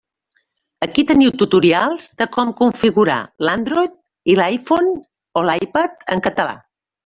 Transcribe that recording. Aquí teniu tutorials de com configurar l'Android i l'iPhone o l'iPad en català.